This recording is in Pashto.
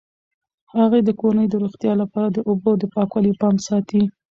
هغې د کورنۍ د روغتیا لپاره د اوبو د پاکوالي پام ساتي.